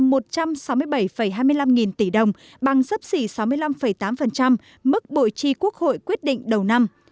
tổng thu ngân sách nhà nước đạt một mươi bảy hai mươi năm nghìn tỷ đồng bằng sấp xỉ sáu mươi năm tám mức bộ chi quốc hội quyết định đầu năm